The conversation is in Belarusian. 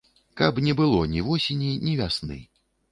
Каб не было ні восені, ні вясны.